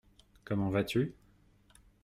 Comment vas-tu ?